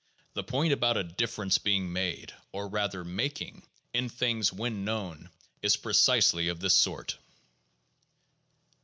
The point about a difference being made (or rather making) in things when known is precisely of this sort.